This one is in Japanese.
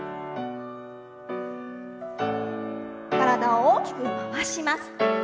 体を大きく回します。